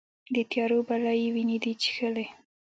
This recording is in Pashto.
د تیارو بلا یې وینې دي چیښلې